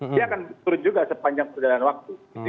dia akan turun juga sepanjang perjalanan waktu